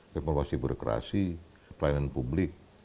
remolusi berkreasi pelayanan publik